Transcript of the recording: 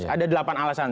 ada delapan alasan